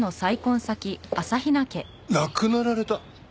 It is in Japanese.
亡くなられた？